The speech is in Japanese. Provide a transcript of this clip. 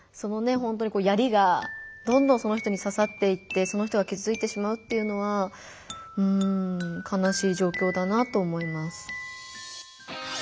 ほんとに槍がどんどんその人にささっていってその人がきずついてしまうっていうのはかなしい状況だなと思います。